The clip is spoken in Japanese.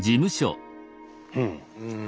うん。